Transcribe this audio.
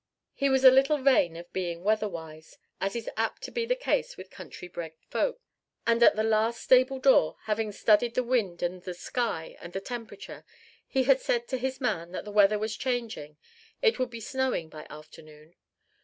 He was a little vain of being weatherwise, as is apt to be the case with country bred folk: and at the last stable door, having studied the wind and the sky and the temperature, he had said to his man that the weather was changing: it would be snowing by afternoon.